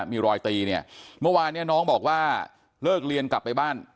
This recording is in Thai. มีรอยตีเนี่ยเมื่อวานเนี่ยน้องบอกว่าเลิกเรียนกลับไปบ้าน